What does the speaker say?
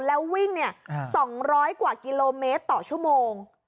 แล้ววิ่ง๒๐๐กว่ากิโลเมตรต่อชั่วโมง